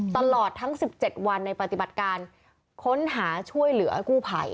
ตลอดทั้ง๑๗วันในปฏิบัติการค้นหาช่วยเหลือกู้ภัย